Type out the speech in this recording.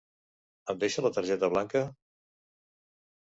Em deixa la targeta blanca?